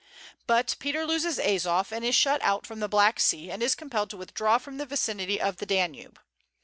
But Peter loses Azof, and is shut out from the Black Sea, and is compelled to withdraw from the vicinity of the Danube.